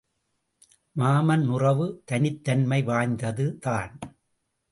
மாமன் உறவு தனித் தன்மை வாய்ந்தது தான்.